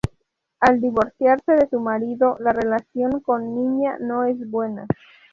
Al divorciarse de su marido, la relación con Niña no es buena.